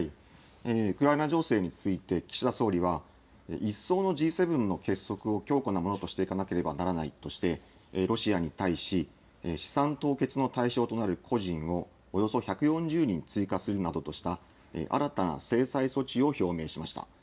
ウクライナ情勢について岸田総理は、一層のＧ７の結束を強固なものとしていかなければならないとして、ロシアに対し、資産凍結の対象となる個人をおよそ１４０人追加するなどとした、新たな制裁措置を表明しました。